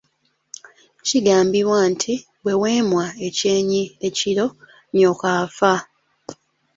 Kigambibwa nti bwe weemwa ekyenyi ekiro nnyoko afa.